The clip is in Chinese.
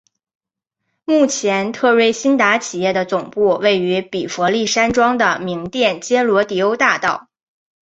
目前特瑞新达企业的总部位于比佛利山庄的名店街罗迪欧大道。